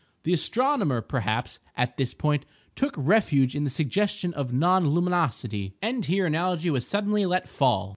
The astronomer, perhaps, at this point, took refuge in the suggestion of non luminosity; and here analogy was suddenly let fall.